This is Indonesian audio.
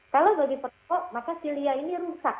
kalau bagi perokok maka silia ini rusak